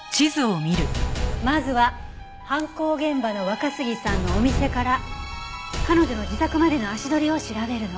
まずは犯行現場の若杉さんのお店から彼女の自宅までの足取りを調べるの。